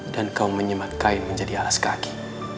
dan kau menyemat kain menjadi alas kaki